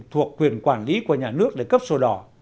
thuộc quyền quản lý của nhà nước để cấp sổ đỏ